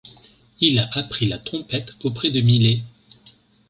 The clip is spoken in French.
Il a appris la trompette auprès de Miley.